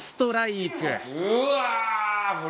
うわこれ。